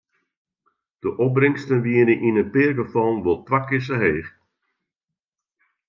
De opbringsten wiene yn in pear gefallen wol twa kear sa heech.